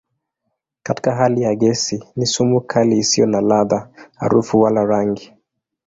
Katika hali ya gesi ni sumu kali isiyo na ladha, harufu wala rangi.